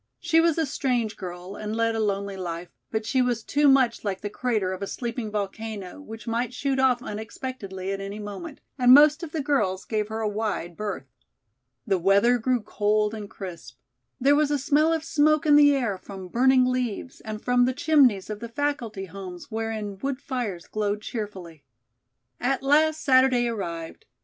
She was a strange girl and led a lonely life, but she was too much like the crater of a sleeping volcano, which might shoot off unexpectedly at any moment, and most of the girls gave her a wide berth. The weather grew cold and crisp. There was a smell of smoke in the air from burning leaves and from the chimneys of the faculty homes wherein wood fires glowed cheerfully. At last Saturday arrived.